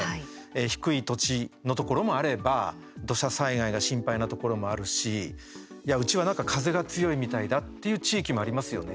低い土地のところもあれば土砂災害が心配なところもあるしいや、うちはなんか風が強いみたいだっていう地域もありますよね。